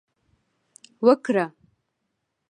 وکړه